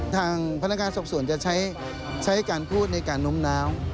ทางพนักงานสอบส่วนจะใช้การพูดในการน้มน้าว